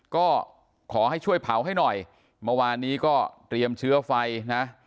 ก็ขอให้ช่วยเผาให้หน่อยเมื่อวานนี้ก็เตรียมเชื้อไฟนะ